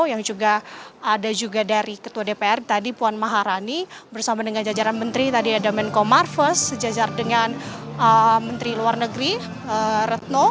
yang juga ada juga dari ketua dpr tadi puan maharani bersama dengan jajaran menteri tadi ada menko marves sejajar dengan menteri luar negeri retno